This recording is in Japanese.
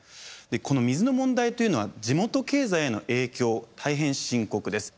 この水の問題というのは地元経済への影響大変深刻です。